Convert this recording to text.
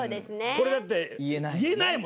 これだって言えないもん。